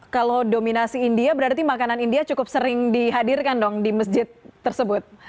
kalau dominasi india berarti makanan india cukup sering dihadirkan dong di masjid tersebut